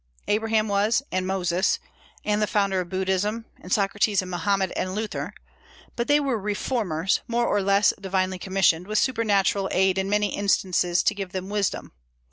Abraham was, and Moses, and the founder of Buddhism, and Socrates, and Mohammed, and Luther; but they were reformers, more or less divinely commissioned, with supernatural aid in many instances to give them wisdom.